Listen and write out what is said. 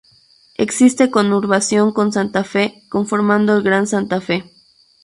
Existe conurbación con Santa Fe, conformando el Gran Santa Fe.